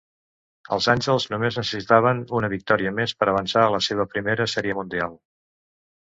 Els Angels només necessitaven una victòria més per avançar a la seva primera Sèrie Mundial.